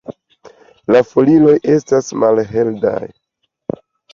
La folioj estas malhelverdaj.